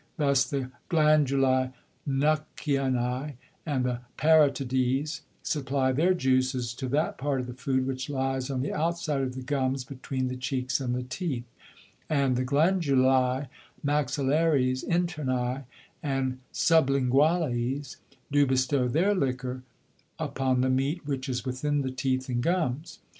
Thus the Glandulæ Nuckianæ, and the Parotides, supply their Juices to that part of the Food, which lies on the outside of the Gums, between the Cheeks and the Teeth, and the Glandulæ Maxillares internæ, and Sublinguales, do bestow their Liquor upon the Meat, which is within the Teeth and Gums.